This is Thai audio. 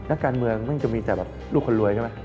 นักการเมืองมักจะมีแต่แบบลูกคนรวยใช่ไหม